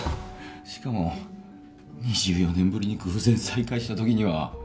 しかも２４年ぶりに偶然再会したときには。